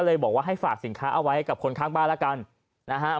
เลยบอกว่าให้ฝากสินค้าเอาไว้กับคนข้างบ้านแล้วกันนะฮะ